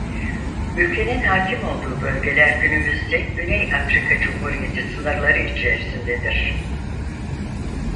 Ülkenin hakim olduğu bölgeler günümüzde Güney Afrika Cumhuriyeti sınırları içerisindedir.